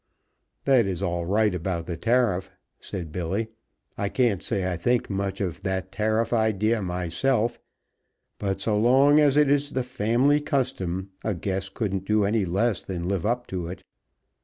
"That is all right about the tariff," said Billy. "I can't say I think much of that tariff idea myself, but so long as it is the family custom a guest couldn't do any less than live up to it.